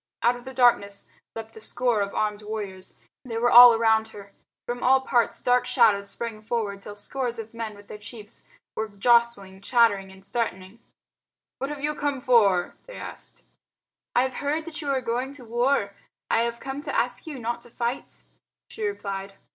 Out of the darkness leapt a score of armed warriors. They were all round her. From all parts dark shadows sprang forward till scores of men with their chiefs were jostling, chattering and threatening. "What have you come for?" they asked. "I have heard that you are going to war. I have come to ask you not to fight," she replied.